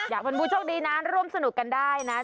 อยากเป็นผู้โชคดีนะร่วมสนุกกันได้นะ